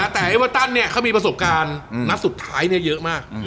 แต่เอเวอร์ตันเขามีประสบการณ์นัดสุดท้ายเยอะมาก